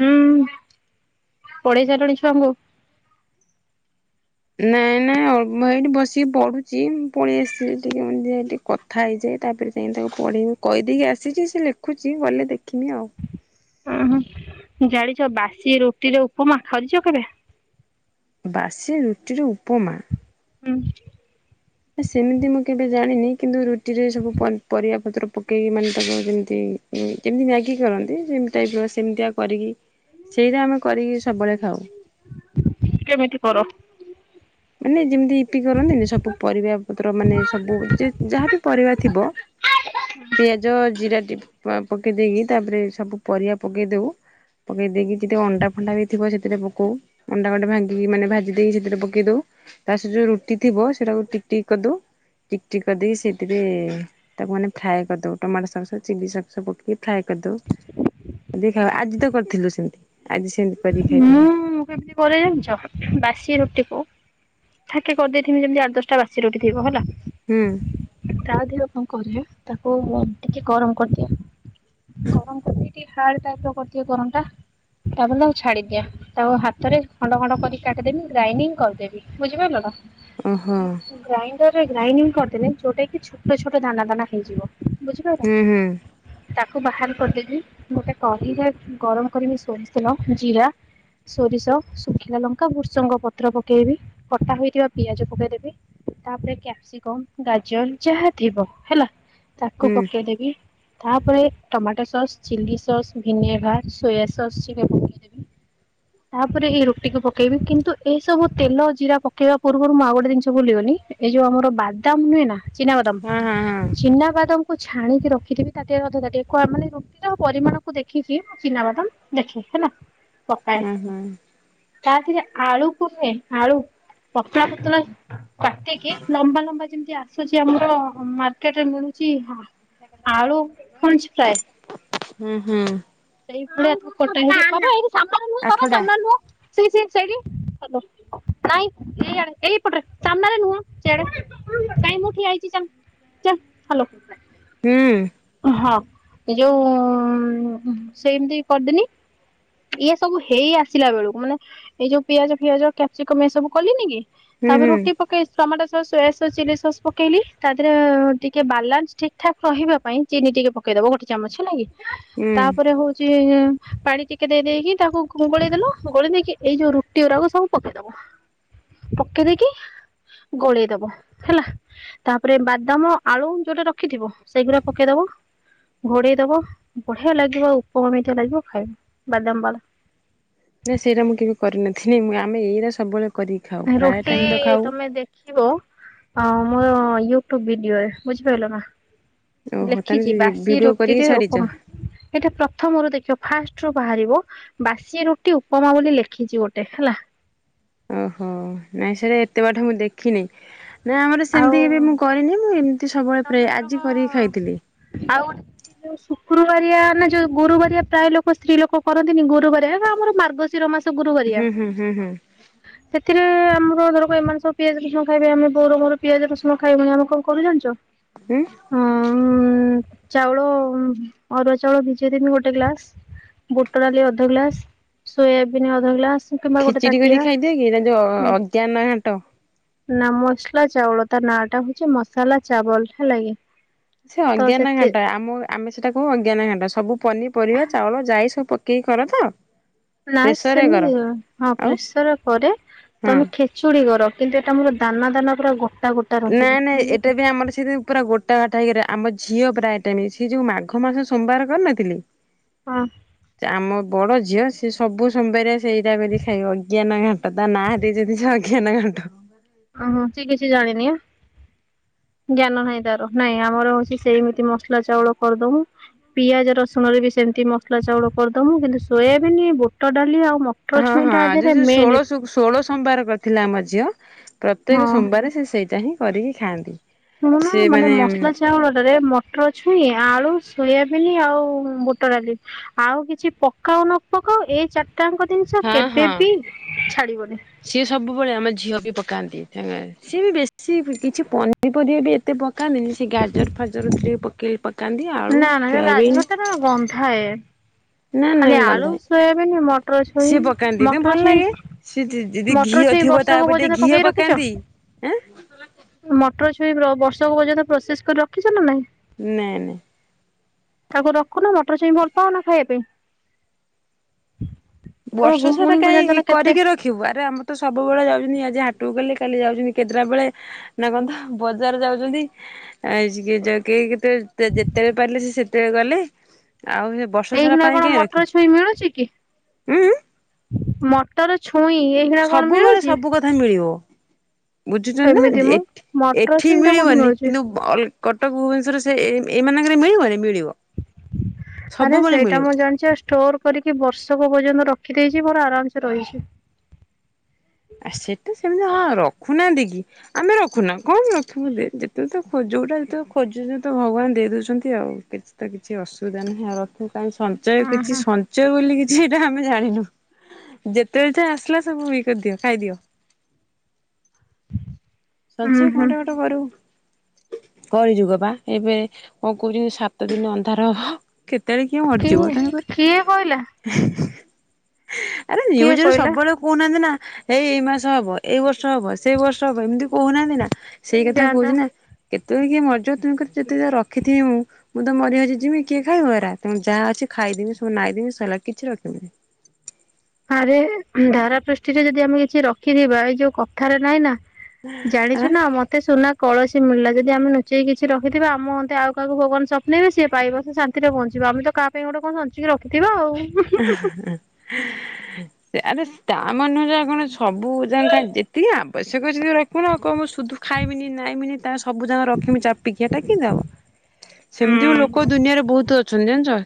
ହୁଁ ପଢ଼େଇ ସାରିଲୁଣି ଛୁଆଙ୍କୁ? ନାଇଁ ନାଇଁ [unintelligible] ଏଇଠି ବସିକି ପଢ଼ୁଛି ପଳେଇ ଆସିଲି ଟିକେ ଦେଖିଆ ଟିକେ କଥା ହେଇଯାଏ, ତାପରେ ଯାଇକ ତାକୁ ପଢ଼େଇ କହିଦେଇକି ଆସିଛି ସେ ଲେଖୁଛି ଗଲେ ଦେଖିବି ଆଉ। ଜାଣିଛ ବାସି ରୁଟିରେ ଉପମା କରିଛ କେବେ? ବାସି ରୁଟିରେ ଉପମା ହୁଁ ସେମିତି ମୁଁ କେବେ ଜାଣିନି କିନ୍ତୁ ରୁ ରୁଟିରେ ସବୁ ପ ପରିବା ପତ୍ର ପକେଇକି ମାନେ ତାକୁ ଯେମିତି ଯେମିତି ମାଗି କରନ୍ତି ସେମିତି ଟାଇପର ସେମିତିଆ କରିକି ସେଇଟା ଆମେ କରିକି ସବୁବେଳେ ଖାଉ କେମିତି କର? ମାନେ ଯେମିତି ଇପି କରନ୍ତିନି ସବୁ ପରିବା ପତ୍ର ମାନେ ସବୁ ଯାହାବ ପରିବା ଥିବ ପିଆଜ ଜିରା ଟି ହଁ ପକାଇ ଦେଇକି ତାପରେ ସବୁ ପରିବା ପକେଇ ଦେଉ ପକାଇ ଦେଇକି ଯେତେ ଅଣ୍ଡା ଫଣ୍ଡା ବି ଥିବ ସେଥିରେ ପକଉ ଅଣ୍ଡା ଗଟେ ଭାଙ୍ଗିକି ମାନେ ଭାଜି ଦେଇକି ସେଥିରେ ପକାଇ ଦେଉ ତା ସହିତ ଯୋଉ ରୁଟି ଥିବ ସେଟାକୁ ଟିକ ଟିକ କରିଦ ଟିକଟିକ କରିଦେଇକି ସେଇଥିରେ ତାକୁ ମାନେ ଫ୍ରାଏ କରିଦଉ ଟମାଟୋ ସସ ଚିଲି ସସ ପକେଇକି ଫ୍ରାଏ କରିଦଉ ଖାଇ ଆଜି ତ କରିଥିଲୁ ସେମତି ଆଜି ସେମ ମୁଁ କେମିତି କରେ ଜାଣିଛ ବାସି ରୁଟି କୁ ଥାକେ କରିଦେଇଥିମି ଯେମିତି ଆଠ ଦଶଟା ବାସି ରୁଟି ଥିବ ହେଲା ହୁଁ। ତା ଦେହ କଣ କରେ ତାକୁ ଟିକେ ଗରମ କରିଦିଏ ଗରମ କ ହାର୍ଡ଼ ପାଗ [unintelligible] କରନ୍ତା ଟାପରେ ତାକୁ ଛାଡ଼ିଦିଅ ତାକୁ ହାତରେ ଖଣ୍ଡ ଖଣ୍ଡ କରି କାଟିଦେବି ଗ୍ରାଇନିଙ୍ଗ କରିଦେବି ବୁଝିପାରିଲ ନା ଓହୋ ଗ୍ରା--ଇ ଗ୍ରାଇଡିଂ କରିଦେଲେ ଯେଉଟାକି ଛୋଟ ଛୋଟ ଦାନା ଦାନା ହେଇଯିବ ବୁଝିପାରିଲ ହୁଁ ହୁଁ। ତାକୁ ବାହାର କରିଦେବି ଗୋଟେ କଢ଼େଇ ରେ ଗରମ କରିବି ସୋରିଷ ତେଲ ଜିରା ସୋରିଷ ଶୁଖିଲା ଲଙ୍କା ବୃଷଙ୍ଗ ପତ୍ର ପକେଇବି କଟା ହୋଇଥିବା ପିଆଜ ପକେଇଦେବି ତାପରେ କ୍ୟାପସିକମ ଗାଜର ଯାହା ଥିବ ହେଲା ତାକୁ ହୁଁ ପକେଇଦେବି ତାପରେ tomato sauce chilli sauce vinegar soya sauce ଟିକେ ପକେଇଦେବି ତାପରେ ଏଇ ରୁଟିକୁୁ ପକେଇବି କିନ୍ତୁ ଏସବୁ ତେଲ ଜିରା ପକେଇବା ପୂର୍ବରୁ ମୁଁ ଆଉ ଗୋଟେ ଜିନିଷ ଭୁଲିଗଲି ଏଇ ଯୋଉ ଆମର ବାଦାମ ନୁହେଁ ନା ଚିନାବାଦାମ୍ ହଁ ହଁ ହଁ। ଚିନାବାଦମ୍ ଛାଣିକି ରଖିଥିବି ତାଟିଏ ଅଧେ ତାଟିଆ [unintelligible] ମାନେ ରୁଟିର ପରିମାଣକୁ ଦେଖିକି ମୁଁ ଚିନାବାଦାମ ଦେଖେ ହେଲା ହୁଁ ହୁଁ ତାଥିରେ ଆଳୁ କୁ ନୁହଁ ଆଳୁ ପତଳା ପତଳା କାଟି କି ଲମ୍ବା ଲମ୍ବା ଯେମିତି ଆସୁଛି ଆମର ମାର୍କେଟରେ ମିଳୁଛି ଆଳୁ ଫ୍ରେଞ୍ଚ ଫ୍ରାଇ ହୁଁ ହୁଁ। ସେଇଭଲିଆ ଆଠଟା ସେ-ସେ-ସେ ସେଇଠି ହାଲୋ ନାଇଁ ଏଇଆଡେ ଏଇପଟରେ ସାମ୍ନାରେ ନୁହଁ ସେଆଡେ ମୁଁ ଠିଆହେଇଛି ଚାଲ। ହୁଁ। ହଁ ଏ ଯୋଉ ସେମିତି କରିଦେମି ଇଏ ସବୁ ହେଇ ଆସିଲା ବେଳକୁ ମାନେ ଏଇ ଯୋଉ ପିଆଜ ଫିଆଜ କ୍ୟାପ୍ସିକମ୍ ଏ ସବୁ କଲିନି କି ହୁଁ ତାପରେ ହୁଁ ରୁଟି ପକେଇ tomato soya sauce chilli sauce ପକେଇଲି ତା ଦେହରେ ଟିକେ ବାଲାନ୍ସ ଠିକ୍ ଠାକ୍ ରହିବା ପାଇଁ ଚିନି ଟିକେ ପକେଇଦବ ଗୋଟେ ଚାମଚ ହେଲା କି। ହୁଁ। ତାପରେ ହଉଛି ପାଣି ଟିକେ ଦେଇ ଦେଇେଇକି ତାକୁ ଗୋଳେଇଦେଲ ଗୋଳେଇ ଦେଇକି ଏଇ ଯୋଉ ରୁଟି ଓରାକୁ ସବୁ ପକେଇଦବ ପକେଇ ଦେଇକି ଗୋଳେଇଦବ ହେଲା ତାପରେ ବାଦାମ ଆଳୁ ଯୋଉଟା ରଖିଥିବ ସେଗୁରାକୁ ପକେଇଦବ ଘୋଡେଇ ଦବ ବଢିଆ ଲାଗିବ ଉପମାମିତିଆ ଲାଗିବ ଖାଇବା ବାଦାମ ବାଲା। ନାଁ ସେଇଟା ମୁଁ କେବେ କରିନଥିଲିନି ଆମେ ଏଇରା ସବୁବେଳେ କରିକି ଖାଉ ପ୍ରାୟ ରୁଟି ଟାଇମ୍ ତ ଖାଉ। ତମେ ଦେଖିବ ହଁ ମୋର ୟୁଟ୍ୟୁବ ଭିଡିଓ ରେ ବୁଝିପାରିଲ ନା ଓହୋ ଲେଖିଛି ତାହେଲେ ବାସି ଭିଡିଓ କରିକି ରୁଟିରେ ଛାଡିଛ ଉପମା ଏଇଟା ପ୍ରଥମରୁ ଦେଖିବା। ଫାଷ୍ଟରୁୁ ବାହାରିବ ବାସି ରୁଟି ଉପମା ବୋଲି ଲେଖିଛି ଗୋଟେ ହେଲା। ଓହୋ ନାଇଁ ସେଇଟା ଏତେ ବାଟ ମୁଁ ଦେଖିନି ନା ଆମର ଆଉ ସେମିତି କେବେ ମୁଁ କରିନି ମୁଁ ଏମିତି ସବୁବେଳେ ପ୍ର ତମେ ଜଣକ ଆଜି କରିକି ଖାଇଥିଲି। ଗୁରୁବାରିଆ ନା ଯୋଉ ଗୋରୁବାରିଆ ପ୍ରାୟ ଲୋକ ସ୍ତ୍ରୀ ଲୋକ କରନ୍ତିନି ଗରୁ ଆମର ମାର୍ଗଶିର ମାସ ଗୁରୁ ହୁଁ ହୁଁ ହୁଁ ହୁଁ କରିବାଥିରେ। ଆମର ଧର ଏମାନେ ସବ ପିଆଜ ରସନ ଖାଇବେ ଆମେ ବଉ ରଙ୍ଗ ପିଆଜ ରସମ ଖାଇବନ ଆମ କଣ କରୁଛ। ଉଁ ଚାଉଳ ଅରୁଆ ଚାଉଳ ଦଜେ ଦିନ ଗୋଟେ ଗ୍ଲାସ ବୁଟ ଡାଲି ଅଧ ଗ୍ଲାସ ସୋୟାବିନ୍ ଅଧ ଗ୍ଲାସ କିମ୍ବା ଗୋଟେ ଖିଚୁଡି ତାଟିଆ କରିକ ଖାଇଦିଏ କି ତା ଯୋଉ ଅଜ୍ଞାନ ଘାଟ ନା ମସଲା ଚାଉଳ ତା ନା ଟା ହଉଛି ମସଲା ଚାଉଲଟା ଲାଗେ ସେ ଅଜ୍ଞାନ ଘାଣ୍ଟା ଆମ ଆମେ ସେଟା କହୁ ଅଜ୍ଞାନ ଘଣ୍ଟା ସବୁ ପନି ପରିବା ଚାଉଳ ଭାଇ ସବୁ ପକେଇକି କର ତ ନା ପ୍ରେସରରେ କର ସେମିତି ହଁ ଆଉ ପ୍ରେସର କରେ ହଁ। ତମେ ଖେଚୁଡି କର କିନ୍ତୁ ସେଟାୋର ଦାନା ଦାନା ପୁରା ଗୋଟା ରହିବ ନାଇଁ ନାଇଁ ବୁଝିଲ ଏଇଟା ବି ଆମର ସେଥିି ପୁରା ଗୋଟା ଟାଇରା ଆମ ଝିଅ ପ୍ରାୟ ଟାଇମ ସିଏ ଯୋଉ ମାଘ ମାସ ସୋମବାର କରିନଥିଲେ। ହଁ ଆମ ବଡ ଝିଅ ସେ ସବୁ ସମ ବାର ବରିଆ ସେଇଟା ବୋଲି ଖାଇ ଅଜ୍ଞାନ ଘାଟ ତା ନା ଦେଇଛନ୍ତି ସ ଅଜ୍ଞାନ ଘାଟ। ଓ ହୋ ସେ କିଛି ଜାଣି ନିି ଆ ଜ୍ଞାନ ନାହିଁ ତାର ନାଇଁ ଆମର ହଉଛି ସେମିତି ମସଲା ଚାଉଳ କରିଦମୁ ପିଆଜ ରସୁଣରେ ବି ସେମିତି ମସଲା ଚାଉଳ କରିଦବୁ କିନ୍ତୁ ଶୋୟା ବିନି ବୁଟ ଡାଲି ଆଉ ମଟର ହଁ ଛୁଇଁ ହଁ ଟା ଆଜି ଦେହରେ ସେ ମେନ୍ ଷୋଳ ଶୁ ଷୋଳ ସୋମବାର କରିଥିଲା ଆମ ଝିଅ। ପ୍ରତ୍ୟେକ ସୋମବାର ଶେ ଷ ସେଇଟା ହିଁ କରିକି ଖାଆନ୍ତି ଶୁଣୁନା ମାନେ ମସଲା ଚାଉଳ ଟାରେ ମଟର ଛୁଇଁ ଆଳୁ ସୋୟାବିିନ ଆଉ ବୁଟ ଡାଲି ଆଉ କିଛି ପକାଉ ନ ପକାଉ ଏଇ ଚାର ଚାରିଟାଙ୍କ ଜିନିଷ ହଁ କେବେ ହଁ ବି ଛାଡିବନି। ସିଏ ସବୁବେଳେ ଆମ ଝିଅ ବି ପକାନ୍ତି ତେମେ ସିଏ ବି ବେଶୀ କିଛି ପନି ପରିବା ବି ଏତେ ପକା କା ନି ନି ସେ ଗାଜର ଫାଜର ଥିଲେ। ପକେଇ ପ୍ ନା ନା ସେ ଗାଜର ଟା ନା ଗନ୍ଧାୟ ନା ନା ଖାଲି ଆଳୁ ଗନ୍ଧାଏ। ସୋୟାବିନ ମଟର ଛୁଇଁ ସିଏ ମଟର ଛୁଇଁ ଦିଦି ଯଦି ମଟର ଘିଅ ଛୁଇଁ ଥିବ ବର୍ଷକ ତାପରେ ଟିକେ ପର୍ଯ୍ୟନ୍ତ ଘିଅ ପକେଇ ରଖିଛ? ପକାନ୍ତିଁ। ସେ ବର୍ଷକ ପର୍ଯ୍ୟନ୍ତ ପ୍ରୋସେସ କରି ରଖିଛ ନା ନାଇଁ ନାଇଁ ନାଇଁ ତାକୁ ରଖୁନ ମଟର ଛୁଇଁ ଭଲ ପାଉନା ଖାଇବା ପାଇଁ ତମ ବର୍ଷ ସାରା ଭଉଣୀଙ୍କୁ ଜାଣିଛ କାହିଁ ନା କେତେ କରିକି ରଖିବୁ ଆରେ ଆମ ତ ସବୁବେଳେ ଯାଉଛନ୍ତି ଆଜି ହାଟୁକୁ ଗଲେ କାଲି ଯାଉଛନ୍ତି କେତ୍ରା ବେଳେ ନା କହନ୍ତ ବଜାର ଯାଉଛନ୍ତି ଆଜି ଜାକି ଯେତେ ଯେତେ ବେଳେ ପାରିଲେ ସେ ଯେତେବେଳେ ଗଲେ ଆଉ ସେ ବର୍ଷ ଏଇ ସାରା ହନା ପାଇଁ କଣ କାହିଁ ମଟର ରଖିବୁ ଛୁଇଁ ମିଳୁଚ କି? ଉଁ ମଟର ଛୁଇଁ ଛୁଇଁ ଏଇଗଡା କଣ ମିଳୁଛି। ବୁଝୁଛ ନା ଏମିତି ମୁଁ ଏଠି ମଟର ଏଠି ଛୁଇଁ ଟା କୋଉଠି ମିଳିବନି ମିଳୁଛି କିନ୍ତୁ କଟକ ଭୁବନେଶ୍ଵର ଏ ଏମାନଙ୍କରେ ମିଳିବନି ମିଳିବ ଆରେ ସବୁବେଳେ ସେଇଟା ମିଳିବ ମୁଁ ଜାଣିଛ ଷ୍ଟୋର କରିକି ବର୍ଷକ ପର୍ଯ୍ୟନ୍ତ ରଖିଦେଇଛି। କି ମୋର ଆରାମ ସେ ରହିଛି। ଆ ସେଟା ସେମିତି ହଁ ରଖୁନାହାନ୍ତି କି? ଆମେ ରଖୁନା କଣ ରଖିବୁ ଯେତେବେ ତ ଯୋଉଟା ଯେତବେଳେ ଖୋଜୁଛ ତ ଭଗବାନ ଦେଇ ଦଉଛନ୍ତି ଆଉ କିଛି ତ କିଛି ଅସୁବିଧା ନାହିଁ ଆଉ ରଖୁ ସଞ୍ଚୟ ଉଁ କିଛି ହୁଁ ସଞ୍ଚୟ ବୋଲି କିଛି ସେଟା ଆମେ ଜାଣିନୁ ଯେତେବେଳେ ଯେ ଆସିଲା ସବୁ ଏ କରିଦିଅ ଖାଇଦିଅ ଉଁ ସଂଞ୍ଚୟ ହୁଁ କଣ ଟା ଗୋଟେ କରିବୁ କଳି ଯୁଗ ବା ଏବେ କଣ କହୁଛନ୍ତି ସାତ ଦିନ ଅନ୍ଧାର ହେବ। କେତେବେଳେ କିଏ ମରିଯିବ ତେଣୁ କିଏ କହିଲା କରି ଆରେ କିଏ ନ୍ୟୁଜରେ କହିଲା ସବୁବେଳକୁ କହୁନାହାନ୍ତି ନା ଏଇ ଏଇ ମାସ ହବ ଏଇ ବର୍ଷ ହବ ସେଇ ବର୍ଷ ହବ ଏମିତି କହୁ ନାହାନ୍ତି ନା ସେଇ ହେଇ କଥା ଯାଆନ୍ତା କହୁଛି ନା କେତେ? ତୁମେ କିଏ ମଜା ତୁମ ଯେତେ ରଖିଥିବ ମୁଁ ମୁଁ ତ ମରିହଜି ଯିମି କିଏ ଖାଇବ ଏରା ତ ଯାହା ଅଛି ଖାଇଦେମି ସବୁ ନାଇଦମି ଶଲା କିଛି ରଖିବନି। ଆରେ ଧରା ପୃଷ୍ଠିରେ ଯଦି ଆମେ କିଛି ରଖିଥିବା ଏଇ ଯୋଉ କଥାରେ ନାହିଁ ନା ଆଁ ଜାଣିଛୁ ନା ମତେ ସୁନା କଳସୀ ମିଳା ଯଦି ଆମେ ନୁଚେଇକି କିଛି ରଖିଥିବା ଆମନ୍ତେ କୌଣସି ମିଳିଲା ଯଦି ଆମେ ଲୁଚାଇକି କିଛି ରଖିଥିବା ଆମ ଅନ୍ତେ ଆଉ କାହାକୁ ଭଗବାନ ସ୍ୱପ୍ନବେ ସେ ପାଇବ ସେ ଶାନ୍ତିରେ ପହଞ୍ଚିବ ଆମେ ତ କାହା ପାଇଁ ଗୋଟେ କଣ ସଞ୍ଚିକି ରଖିଥିବା ଆଉ। [inaudible] ଆରେ ତା ମାନରେ ୟା କଣ ସବୁ ଯା ଖା ଯେତିକି ଆବଶ୍ୟ- ସେ କହି ରଖିବୁନ ଆଉ କଣ ମୁଁ ସୁଧୁ ଖାଇମିନି ନାଇଁମିନି ତା ସବୁ ଜା ରଖମି ଚାପିକି ଆଟା କିିମିତି ହେବ ସେମିତି ବି ଲୋକ ଦୁନିଆରେ ବହୁତ ଅଛ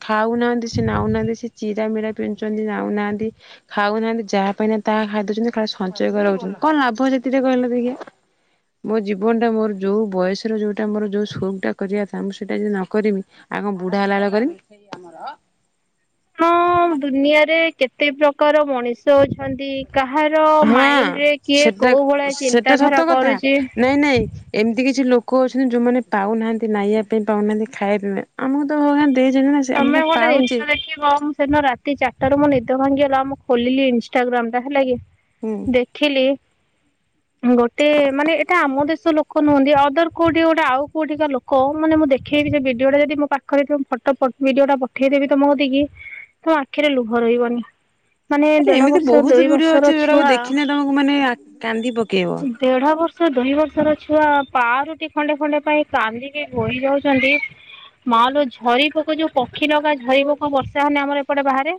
[inaudible] ଖାଉନାହାଁନ୍ତି ସେ ନାଉନାହାନ୍ତି ସେ। ଯାହା ମିଳିଲା ପିନ୍ଧୁଛନ୍ତି ନାଉ ନାହାନ୍ତି ଖାଉ ନାହାନ୍ତି ଯାହା ପାଇଲେ ତାହା ଖାଇ ଦେଉଛନ୍ତି ଖାଲି ସଞ୍ଚୟ କରି ରଖୁଛନ୍ତି କଣ ଲାଭ ସେଥିରେ କହିଲ ଦେଖିଆ ମୋ ଜୀବନଟା ମୋର ଜଉ ବୟସରେ ଜଉଟା ଜଉ ସଉଖ ଟା ନ କରିବି ଆଉ କଣ ବୁଢ଼ା ବେଳେ କରିବି। ହଁ ଦୁନିଆରେ କେତେ ପ୍ରକା କାର ମଣିଷ ଅଛନ୍ତି। କାହାର ହଁ ମାଇଣ୍ଡ ରେ କିଏ ସେଟା କୋଉ ଭଳିଆ ସେଟା ଚିନ୍ତାଧାରା ସତ କଥା କରୁଛି ନାଇଁ ନାଇଁ ଏମିତି କିଛି ଲୋ କହୁଛନ୍ତି ଯୋଉମାନେ ପାଉନାହାନ୍ତି ନାଇବା ପାଇଁ ପାଉନାହାନ୍ତି ଖାଇବା ପିଇବା ପାଇଁ ଆମକୁ ତ ଭଗବାନ। ଦେଇଛନ୍ତି ନା ସେ ଆମେ ତ ତମେ ଗୋଟେ ପାଉଛେ ଜିନିଷ ଦେଖିବ ମୁଁ ସେଦିନ ରାତି ଚା ତାରେ ମୋର ନିଦ ଭାଙ୍ଗିଗଲା ମୁଁ ଖୋଲିଲି ଇନଷ୍ଟାଗ୍ରାମ ଟା ହେଲା କି। ହୁଁ ଦେଖିଲି। ଗୋଟେ ମାନେ ଏଟା ଆମ ଦେଶ ଲୋକ ନୁହନ୍ତି ଅଦର କୋଉଠି ଗୋଟେ ଆଉ କୋଉଠିିକା ଲୋକ ମାନେ ମୁଁ ଦେଖେଇବି ସେ ଭିଡିଓ ଟା ଯଦି ମୋ ପାଖରେ ଫଟୋ ଫ ଭିଡିଓ ଟା ପଠେଇଦେବି ତମକୁ କତିକି ତମ ଆଖିରେ ଲୁହ ରହିବନି। ମାନେ ଆରେ ଦେଢ ଏମିତି ବର୍ଷ ବହୁତ ଦୁଇ ଭିଡି ବର୍ଷର ଅଛି ଯୋଉଟାକୁ ଛୁଆ ଦେଖିନେ ତମକୁ ମାନେ କାନ୍ଦି ପକେଇବ। ଦେଢ ଦୁଇ ବର୍ଷର ଛୁଆ ପାଉଁରୁଟି ଖଣ୍ଡେ ଖଣ୍ଡେ ପାଇଁ କାନ୍ଦିକି ଗଡି ଯାଉଛନ୍ତି ମା ଲୋ ଝରି ପୋକ ଯୋଉ। ପକ୍ଷୀ ଲଗା ଝରି ପୋକ ବର୍ଷାହଉନି ଆମର ଏପଟେ ବାହାରେ।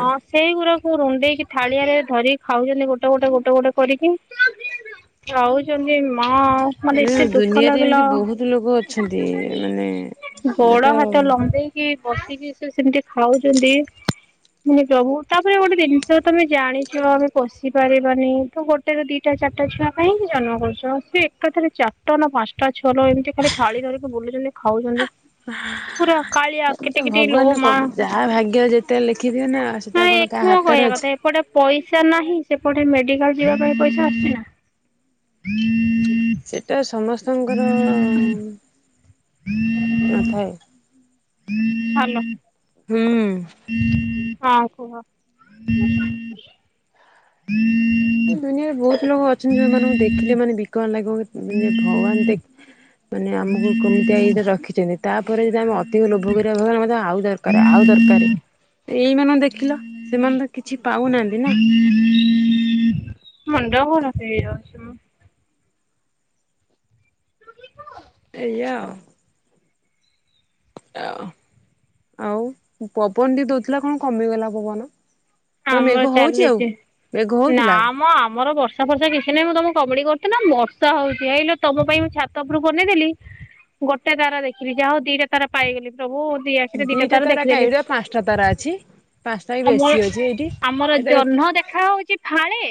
ହଁ ସେଇଗୁରା ରୁଣ୍ଡେଇକି ଥାଳିଆରେ ଧରିକି ଖାଉଛନ୍ତି ଗୋଟେ ଗୋଟେ ଗୋଟେ ଗୋଟେ କରିକି ଖାଉଛନ୍ତି। ମା ମାନେ ଏତେ ଦୁଃଖ ଦୁନିଆରେ ଲାଗିଲା ଏମିତି ବହୁତ ଲୋକ ଅଛନ୍ତି ମାନେ ସେଟା ତ। ତ ଲମ୍ବେଇ କି ବସିି ସେ ସେମତି ଖାଉଛନ୍ତି ମେ ପ୍ରଭୁ ତାପରେ ଗୋଟେ ଜିନିଷ ତମେ ଜାଣିଛ ଆମେ ପୋଷି ପାରିବାନି ତ ଗୋଟେ ର ଦିଟା ଚାରିଟା ଛୁଆ କାହିଁକି ଜନ୍ମ କରୁଛ ସେ ଏକା ଥରେ ଚାରିଟା ନା ପାଞ୍ଚଟା ଛୁଆ ଲୋ ଏମିତି ଖାଲି ଥାଳି ଧରିକି ବୁଲୁଛନ୍ତି ଖାଉଛନ୍ତି। ହ ପୁରା କାଳିଆ କିଟି କିଟି ଲୋ ମା ଯାହା ଭାଗ୍ୟ ଯେତେବେଳେ ଲେଖିଥିବେ ନା ସେଟା ନା କଣ କାହା ଏକମ ହାତରେ କହିବା ଅଛି। କଥା ଏପଟେ ପଇସା ନାହିଁ ସେ। ଏପଟେ ମେଡିକାଲ ଯିବା ପାଇଁ ପଇସା ଅଛି ନା। ସେଟା ସମସ୍ତଙ୍କର। ନଥାଏ। ହାଲୋ। ହୁଁ। [inaudible] ହଁ କୁହ। ଦୁନିଆରେ ବହୁତ ଲୋକ ଅଛ ଯଉମାନଙ୍କୁ ଦେଖେ ମାନେ ବିକଳ ଲାଗେ। ହେ ଭଗବାନ ଦେଖ। ମାନେ ଆମକୁ କେମିତି ଆ ଇଏରେ ରଖିଛନ୍ତି। ତାପରେ ଯଦି ଆମେ ଅଧିକ ଲୋଭ କରିବା ଭଗବାନ ମତେ ଆଉ ଦରକାର। କାର ଆଉ ଦରକାର। ଏଇ ମ ଦେଖିଲ ସେମାନେ ତ କିଛି ପାଉନାହାନ୍ତି। ନା ହୁଁ ହୁଁ [inaudible] ମୁଣ୍ଡ କଣ ହେଇଯାଉଛି? ଏଇୟା ଉ ଆଉ ପବନ ଟିକେ ଦଉଥିଲା କଣ କମିଗଲା ପବନ। ତମର ଆମର ମେଘ ହଉଛି ଆଉ? ଚାଲିଛି ମେଘ ନା ହଉଥିଲା ଆଉ ଆମ ଆମର ବର୍ଷା ଫର୍ଷା କିଛି ନାହିଁ ମୁଁ ତମକୁ କମେଡି କରୁଥିଲି ନା ବର୍ଷା। ବର୍ଷା ହଉଛି ହେଇଲ ତମ ପାଇଁ ମୁଁ ଛାତ ଉପରୁ ବନେଇଦେଲି ଗୋଟେ ତାରା ଦେଖିଲି ଯାହା ହଉ ଦିଟା ତାରା ପାଇଗଲି। ପ୍ରଭୁ ଦି ଆଖିରେ ଦିଟା ତାରା ଦେଖିଦେଲି। କାଇଁରେ ପାଞ୍ଚଟା ତାରା ଅଛି ପାଞ୍ଚଟା ବି ତମର ବେଶୀ ଅଛି ଏଇଠି ଆମର ଏଇଟା ଦେଖ ଜହ୍ନ ଦେଖା ହଉଛି ଫାଳେ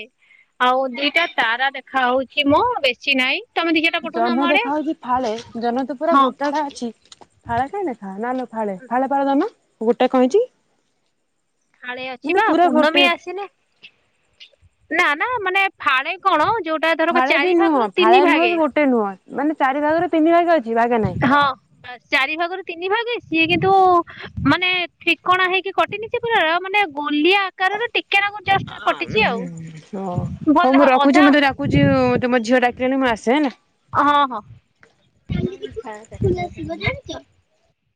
ଆଉ ଦିଟା ତାରା ଦେଖା ହଉଛି ମଁ ବେଶୀ ନାହିଁ। ତମେ ଦି ଚାରିଟା ପଠଉନ ଆମ ଜହ୍ନ ଆଡେ। ଦେଖା ହଉଛି ଫାଳେ ଜହ୍ନ ତ ପୁରା ହଁ ଗୋଟାଟା ଅଛି ଫାଳେ କାଇଁ ଦେଖା ନା ଲୋକ। ଫାଳେ ଫାଳେ ଫଳ ଦନ ମୁଁ ଗୋଟେ କହିଛି। କାଳେ ଅଛି ବା ପୂର୍ଣ୍ଣମୀ ଆସିନେ ନା ନା ମାନେ ଫାଳେ କଣ? ଯୋଉଟା ଧରକ ଫାଳେଆ ଚାରି ବି ନୁହଁ ଭାଗରୁ ତିନି ଫାଳେଆ ନୁହେ ଭାଗେ କି ଗୋଟେ ନୁହଁାନେ ଚାରିାଗରେ ତିନି ଭାଗେ ଅଛି। ଭାଗେ ନାହିଁ। ହଁ ଚାରି ଭାଗରୁ ତିନି ଭାଗ ସିଏ କିନ୍ତୁ ମାନେ ଠିକଣା ହେଇକି କଟିନିଛି ପୁରା ମାନେ ଗୋଲିଆ ଆକାରର ଟିକେ ନାକୁ ଜଷ୍ଟ କଟିଛି ଆଉ ହ ଭଲ ହଉ ମୁଁ ରଖୁଛି ଅଧା ମୁତେ ଡାକୁଛି ତମ ଝିଅ ଡାକ କିେଣୁ ମାସେ ହଁ ହଁ କଲ ଆସିବ ଜାଣିଛ।